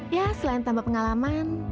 ya selain tambah pengalaman